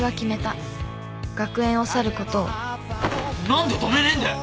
何で止めねえんだよ。